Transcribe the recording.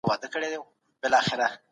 زما کتاب نوی دئ.